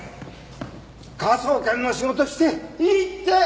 科捜研の仕事していいって！